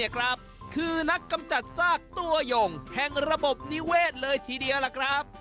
คือนักกำจัดซากตัวยงแห่งระบบนิเวศเลยทีเดียวล่ะครับ